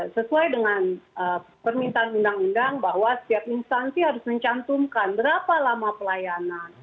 sesuai dengan permintaan undang undang bahwa setiap instansi harus mencantumkan berapa lama pelayanan